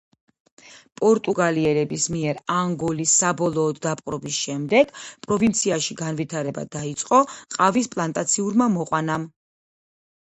პორტუგალიელების მიერ ანგოლის საბოლოოდ დაპყრობის შემდეგ პროვინციაში განვითარება დაიწყო ყავის პლანტაციური მოყვანა.